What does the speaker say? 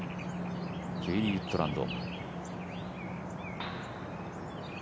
ゲーリー・ウッドランド。